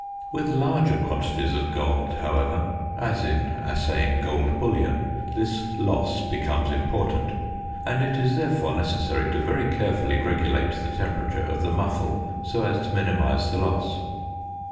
With larger quantities of gold, however (as in assaying gold bullion), this loss becomes important; and it is therefore necessary to very carefully regulate the temperature of the muffle so as to minimise the loss.